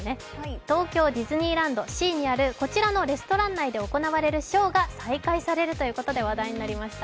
東京ディズニーランド・シーにあるこちらのレストランでショーが再開されるということで話題になりました。